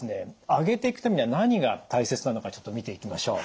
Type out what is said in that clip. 上げていくためには何が大切なのかちょっと見ていきましょう。